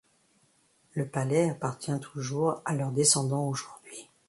Le palais appartient toujours à leurs descendants aujourd'hui.